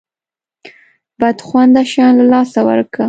بد خونده شیان له لاسه ورکه.